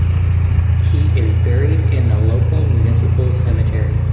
He is buried in the local municipal cemetery.